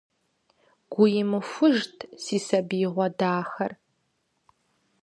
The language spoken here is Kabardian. Гу имыхужт си сабиигъуэ дахэр!